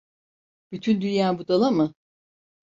Bütün dünya budala mı?